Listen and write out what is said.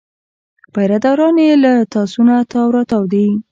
پیره داران یې له تاسونه تاو راتاو دي.